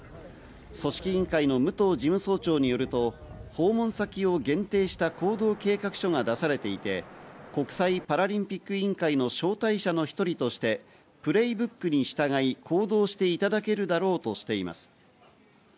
組織委員会の武藤事務総長によると、訪問先を限定した行動計画書が出されていて、国際パラリンピック委員会の招待者の１人としてプレイブックに従い行動していただけるだろうとしています。